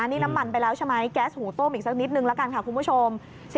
นี่น้ำมันไปแล้วใช่ไหมแก๊สหูต้มอีกสักนิดนึงละกันค่ะคุณผู้ชม